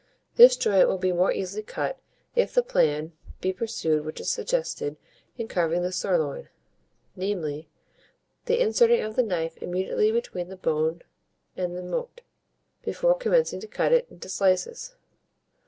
This joint will be the more easily cut if the plan be pursued which is suggested in carving the sirloin; namely, the inserting of the knife immediately between the bone and the moat, before commencing to cut it into slices.